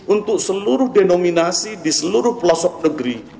untuk seluruh denominasi di seluruh pelosok negeri